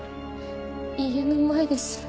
家の前です。